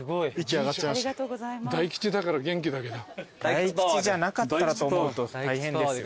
大吉じゃなかったらと思うと大変です。